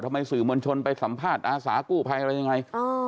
สื่อมวลชนไปสัมภาษณ์อาสากู้ภัยอะไรยังไง